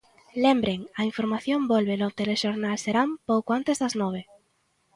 Lembren, a información volve no Telexornal Serán pouco antes das nove.